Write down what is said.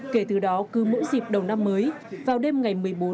kể từ đó cứ mỗi dịp đầu năm mới vào đêm ngày một mươi bốn